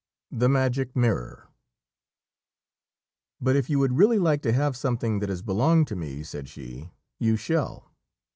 THE MAGIC MIRROR. "... But if you would really like to have something that has belonged to me," said she, "you shall."